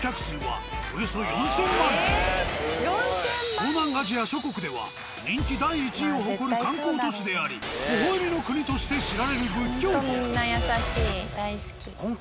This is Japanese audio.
東南アジア諸国では人気第１位を誇る観光都市であり微笑みの国として知られる仏教国。